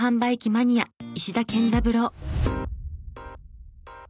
マニア石田健三郎。